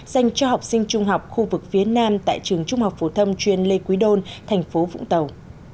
dành cho học sinh trung học khu vực phía nam tại trường trung học phổ thông chuyên lê quý đôn thành phố vũng tàu